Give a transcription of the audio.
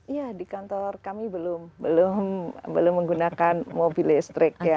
iya di kantor kami belum menggunakan mobil listrik ya